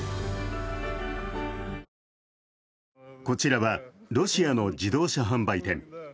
こちらはロシアの自動車販売店。